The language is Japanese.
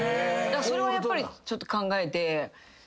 それはやっぱりちょっと考えて。